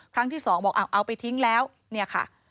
ครั้งที่สองบอกเอาไปทิ้งแล้วเนี่ยค่ะ